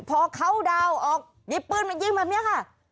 พอเขาดาวออกหยิบปืนมายิงแบบนี้ค่ะ